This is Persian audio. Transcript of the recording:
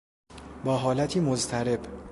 با حالتی مضطرب